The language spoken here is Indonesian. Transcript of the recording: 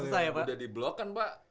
sudah di blok kan pak